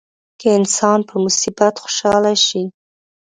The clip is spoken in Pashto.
که انسان په مصیبت خوشاله شي.